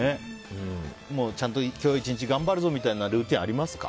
ちゃんと今日１日頑張るぞみたいなルーティンありますか？